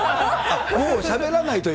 もうしゃしゃべらない。